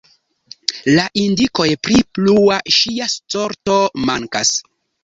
La indikoj pri plua ŝia sorto mankas.